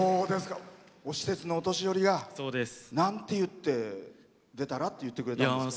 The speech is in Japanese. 施設のお年寄りが。なんて言って出たらって言ってくれたの？